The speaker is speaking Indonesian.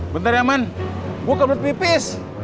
bentar ya man gue ke blut pipis